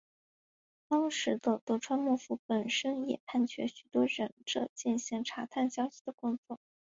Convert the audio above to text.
当时的德川幕府本身也派遣许多忍者进行查探消息的工作。